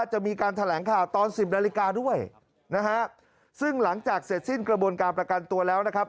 จะมีการแถลงข่าวตอนสิบนาฬิกาด้วยนะฮะซึ่งหลังจากเสร็จสิ้นกระบวนการประกันตัวแล้วนะครับ